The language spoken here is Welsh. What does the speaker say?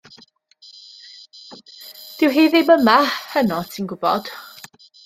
Dyw hi ddim 'ma heno ti'n gw'bod.